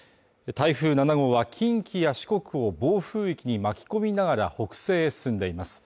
台風７号は近畿や四国を暴風域に巻き込みながら北西へ進んでいます